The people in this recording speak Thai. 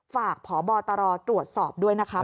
ฝากพบตรตรวจสอบด้วยนะคะ